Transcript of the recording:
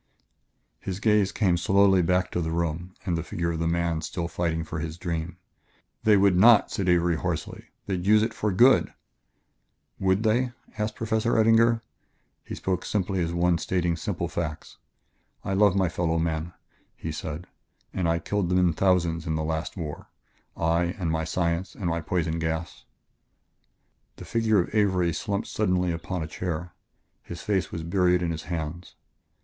His gaze came slowly back to the room and the figure of the man still fighting for his dream. "They would not," said Avery hoarsely; "they'd use it for good." "Would they?" asked Professor Eddinger. He spoke simply as one stating simple facts. "I love my fellow men," he said, "and I killed them in thousands in the last war I, and my science, and my poison gas." The figure of Avery slumped suddenly upon a chair; his face was buried in his hands.